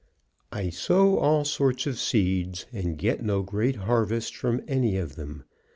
I sow all sorts of seeds, and get no great harvest from any of them.